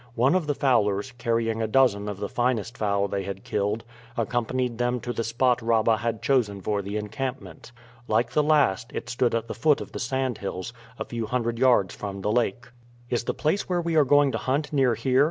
One of the fowlers, carrying a dozen of the finest fowl they had killed, accompanied them to the spot Rabah had chosen for the encampment. Like the last, it stood at the foot of the sandhills, a few hundred yards from the lake. "Is the place where we are going to hunt near here?"